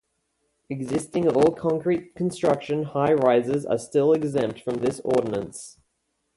Existing all-concrete construction high-rises are still exempt from this ordinance.